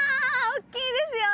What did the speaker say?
おっきいですよ